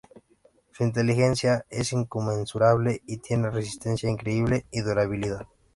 Su inteligencia es inconmensurable, y tiene resistencia increíble y durabilidad.